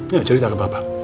ya cerita ke papa